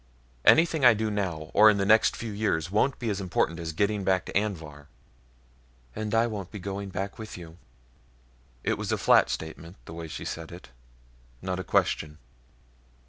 Anything I do now, or in the next few years, won't be as important as getting back to Anvhar." "And I won't be going back with you." It was a flat statement the way she said it, not a question.